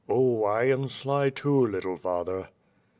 "Oh, I am sly too, little father."